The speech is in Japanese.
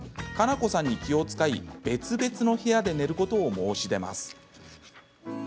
カナコさんに気を遣い別々の部屋で寝ることを申し出ます。